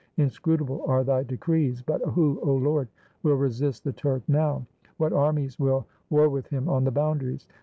Inscrutable are Thy decrees ; but who, 0 Lord, will resist the Turk now? What armies will war with him on the boundaries?